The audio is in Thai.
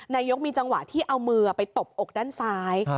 นายกมีจังหวะที่เอามือไปตบอกด้านซ้าย